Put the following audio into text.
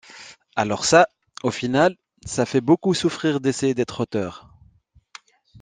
Alors ça, au final, ça fait beaucoup souffrir d’essayer d’être auteur.